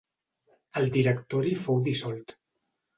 El Directori fou dissolt.